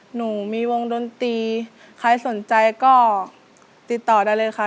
หนูมีวงดนตรีใครสนใจก็ติดต่อได้เลยค่ะ